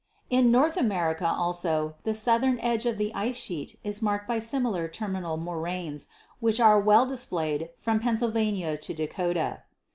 In North America also the southern edge of the ice sheet is marked by similar 'terminal moraines,' which are well displayed from Pennsylvania to Dakota.